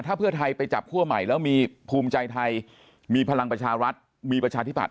ถ้าเพื่อไทยไปจับคั่วใหม่แล้วมีภูมิใจไทยมีพลังประชารัฐมีประชาธิบัต